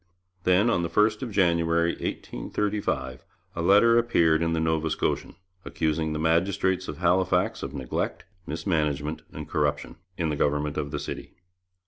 Then, on the 1st of January 1835, a letter appeared in the Nova Scotian, accusing the magistrates of Halifax of neglect, mismanagement, and corruption, in the government of the city.